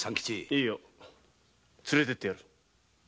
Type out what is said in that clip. いいよ連れてってやる。